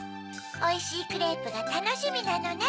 おいしいクレープがたのしみなのね。